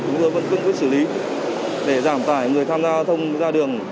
chúng tôi vẫn cương quyết xử lý để giảm tải người tham gia thông ra đường